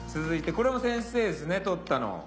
続いてこれも先生っすね撮ったの。